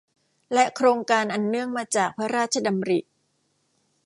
และโครงการอันเนื่องมาจากพระราชดำริ